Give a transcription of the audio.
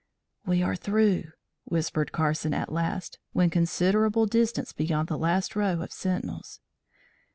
"We are through," whispered Carson at last, when considerable distance beyond the last row of sentinels.